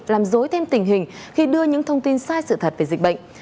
làm dối thêm tình hình khi đưa những thông tin sai sự thật về dịch bệnh